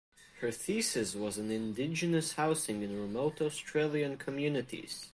Her thesis was on Indigenous housing in remote Australian communities.